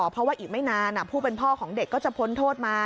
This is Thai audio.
เพราะว่าอีกไม่นานผู้เป็นพ่อของเด็กก็จะพ้นโทษมา